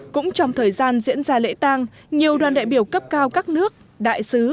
cũng trong thời gian diễn ra lễ tang nhiều đoàn đại biểu cấp cao các nước đại sứ